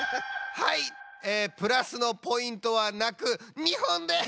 はいえプラスのポイントはなく２ほんです！